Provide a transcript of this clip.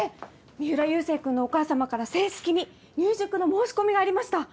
三浦佑星君のお母様から正式に入塾の申し込みがありました！